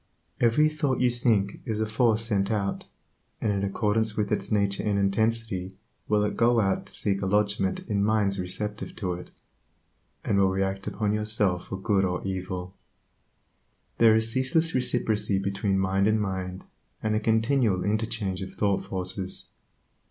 Every thought you think is a force sent out, and in accordance with its nature and intensity will it go out to seek a lodgment in minds receptive to it, and will react upon yourself for good or evil. There is ceaseless reciprocity between mind and mind, and a continual interchange of thought forces.